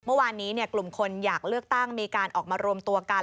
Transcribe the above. เมื่อวานนี้กลุ่มคนอยากเลือกตั้งมีการออกมารวมตัวกัน